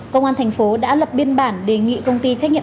công an thành phố đã lập biên bản đề nghị công ty trách nhiệm